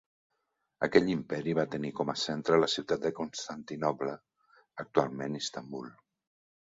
Aquell imperi va tenir com a centre la ciutat de Constantinoble, actualment Istanbul.